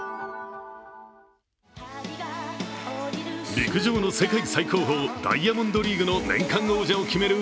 陸上の世界最高峰、ダイヤモンドリーグの年間王者を決める